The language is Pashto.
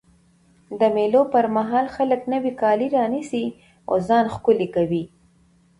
د مېلو پر مهال خلک نوی کالي رانيسي او ځان ښکلی کوي.